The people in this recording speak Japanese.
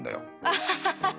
アハハハッ。